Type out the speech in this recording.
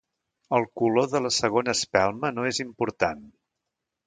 El color de la segona espelma no és important.